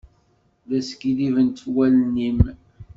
La skiddibent wallen-im.